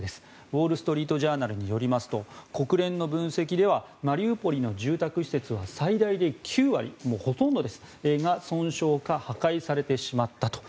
ウォール・ストリート・ジャーナルによりますと国連の分析ではマリウポリの住宅施設は最大で９割、つまりほとんどが損傷か破壊されてしまったと。